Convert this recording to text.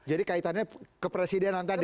jadi kaitannya ke presidenan tadi